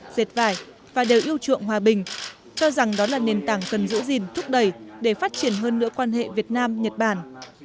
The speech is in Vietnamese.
dệt vải và đều yêu chuộng hòa bình cho rằng đó là nền tảng cần giữ gìn thúc đẩy để phát triển hơn nữa quan hệ việt nam nhật bản